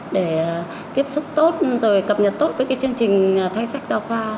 để tiếp xúc tốt rồi cập nhật tốt với cái chương trình thay sách giáo khoa